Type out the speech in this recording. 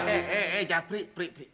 eh eh eh jafri prik prik